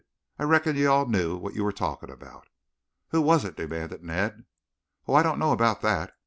I reckon you all knew what you were talking about." "Who was it?" demanded Ned. "Oh, I don't know about that.